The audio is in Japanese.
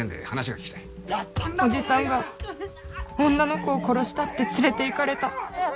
やったんだろお前がおじさんが女の子を殺したって連れていかれた。